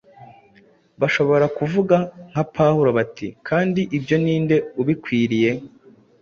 bashobora kuvuga nka Pawulo bati: “Kandi ibyo ni nde ubikwiriye?”